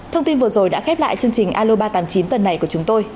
thông tin vừa rồi đã khép lại chương trình aloba tám mươi chín tần này của chúng tôi